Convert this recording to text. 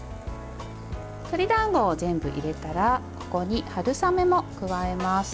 鶏だんごを全部入れたらここに春雨も加えます。